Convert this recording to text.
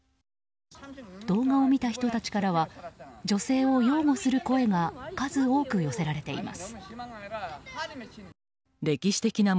動画を見た人たちからは女性を擁護する声が数多く寄せられています。